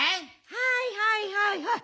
はいはいはいはい。